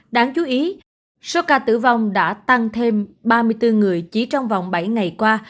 đáng chú ý số ca tử vong đã tăng thêm ba mươi bốn người chỉ trong vòng bảy ngày qua